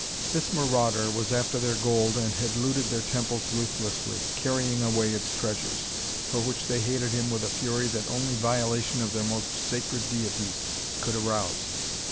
This marauder was after their gold and had looted their temples ruthlessly, carrying away its treasures, for which they hated him with a fury that only violation of their most sacred deities could arouse.